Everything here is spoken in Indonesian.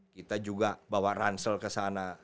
kita juga bawa ransel ke sana